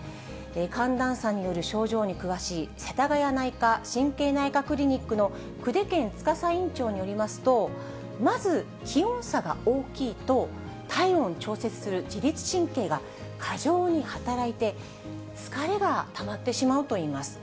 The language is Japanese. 寒暖差による症状に詳しい、せたがや内科・神経内科クリニックの久手堅司院長によりますと、まず気温差が大きいと、体温を調節する自律神経が過剰に働いて、疲れがたまってしまうといいます。